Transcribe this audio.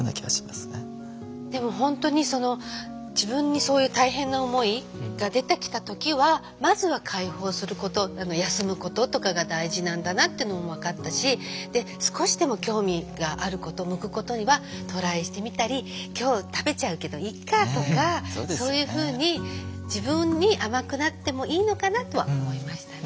でも本当にその自分にそういう大変な思いが出てきた時はまずは解放すること休むこととかが大事なんだなっていうのも分かったしで少しでも興味があること向くことにはトライしてみたり「今日食べちゃうけどいっか」とかそういうふうに自分に甘くなってもいいのかなとは思いましたね。